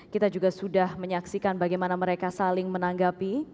kita juga sudah menyaksikan bagaimana mereka saling menanggapi